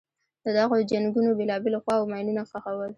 د دغو جنګونو بېلابېلو خواوو ماینونه ښخول.